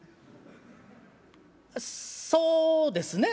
「そうですね。